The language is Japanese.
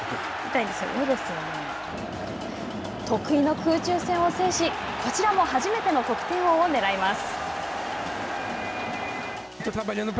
得意の空中戦を制しこちらも初めての得点王をねらいます。